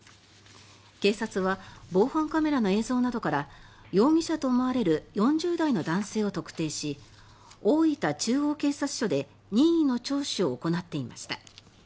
警察は防犯カメラの映像などから容疑者と思われる４０代の男性を特定し大分中央警察署で任意の聴取を行っていました。